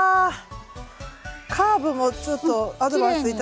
カーブもちょっとアドバイス頂いたから。